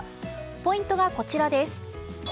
ポイントが、こちらです。